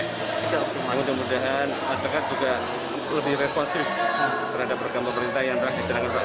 kita mudah mudahan masyarakat juga lebih revansif terhadap pergambar perintah yang terakhir di jalan jalan